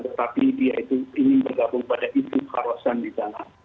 tetapi dia itu ingin bergabung pada isu karosan di sana